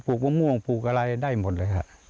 ผูกมะม่วงผูกอะไรได้หมดเลยก่อ